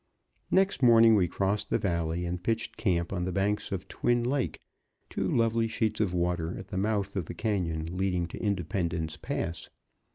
Next morning we crossed the valley and pitched camp on the banks of Twin Lake, two lovely sheets of water at the mouth of the canyon leading to Independence Pass.